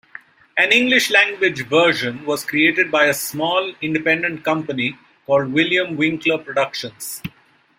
An English-language version was created by a small independent company called William Winckler Productions.